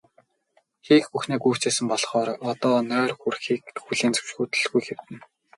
Хийх бүхнээ гүйцээсэн болохоор одоо нойр хүрэхийг хүлээн хөдлөлгүй хэвтэнэ.